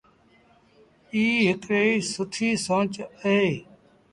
ايٚ هڪڙيٚ سُٺيٚ سونچ اهي۔